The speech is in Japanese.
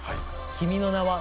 「君の名は」